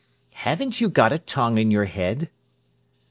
"Haven't you got a tongue in your head?"